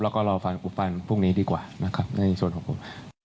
แล้วก็รอฟังอุปันพรุ่งนี้ดีกว่านะครับในส่วนของผม